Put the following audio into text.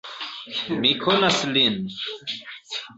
Mi konas lin!